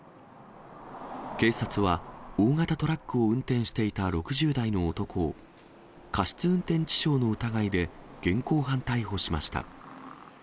警察は、大型トラックを運転していた６０代の男を、過失運転致傷の疑いで現行犯逮捕しました。